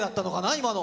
今の。